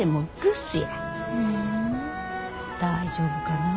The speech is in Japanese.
大丈夫かな？